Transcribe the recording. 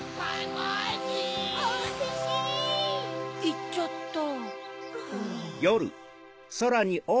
いっちゃった。